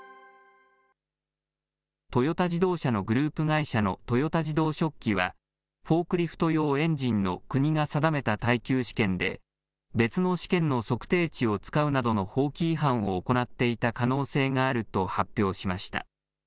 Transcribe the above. トヨタ自動車のグループ会社の豊田自動織機は、フォークリフト用エンジンの国が定めた耐久試験で、別の試験の測定値を使うなどの法規違反を行っていた可能性があると発表しました。